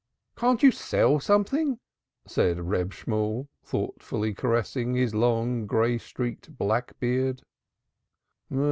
"Can't you sell something?" said Reb Shemuel, thoughtfully caressing his long, gray streaked black beard.